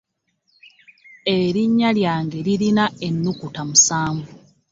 Elinya lyange lirina enukuta musanvu.